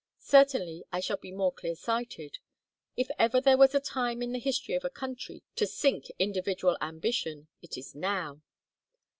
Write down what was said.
Certainly I shall be more clear sighted. If ever there was a time in the history of a country to sink individual ambition, it is now."